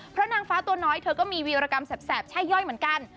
เพราะนางฟ้าตัวน้อยเธอก็มีวีรกรรมแสบแช่ย่อยเหมือนกัน